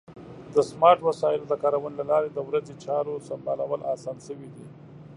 د سمارټ وسایلو د کارونې له لارې د ورځې چارو سمبالول اسان شوي دي.